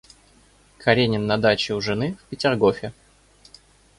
Каренин на даче у жены в Петергофе.